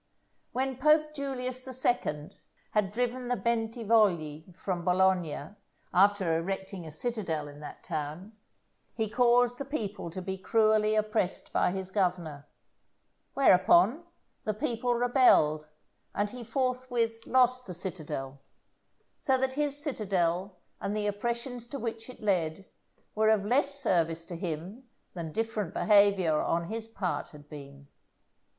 When Pope Julius II. had driven the Bentivogli from Bologna, after erecting a citadel in that town, he caused the people to be cruelly oppressed by his governor; whereupon, the people rebelled, and he forthwith lost the citadel; so that his citadel, and the oppressions to which it led, were of less service to him than different behaviour on his part had been.